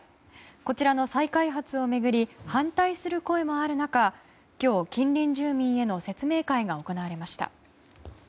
こちらの再開発を巡り反対する声もある中今日、地域住民に対する説明会が行われました。